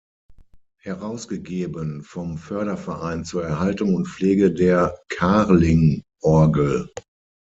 Herausgegeben vom Förderverein zur Erhaltung und Pflege der Kahrling-Orgel.